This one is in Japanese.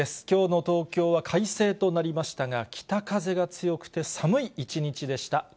きょうの東京は快晴となりましたが、北風が強くて寒い一日でした。